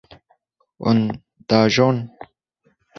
Hûn diajon.